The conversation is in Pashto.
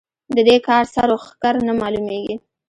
د دې کار سر و ښکر نه مالومېږي.